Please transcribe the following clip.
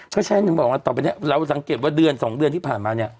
ก็ใช้หนึ่งบอกว่าต่อไปนี้เราสังเกตว่าเดือน๒เดือนที่ผ่านมาเนี่ย